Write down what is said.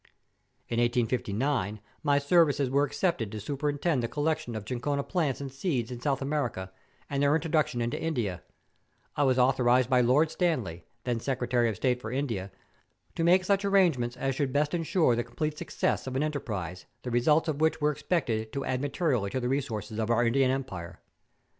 ... In 1859 my services were accepted to super¬ intend the collection of chinchona plants and seeds in South America, and their introduction into India ; I was authorized by Lord Stanley, then Secretary of State for India, to make such arrangements as should best ensure the complete success of an enterprise the results of which were expected to add materially to the resources of our Indian empire.